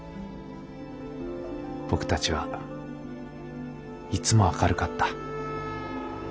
僕たちはいつも明るかった。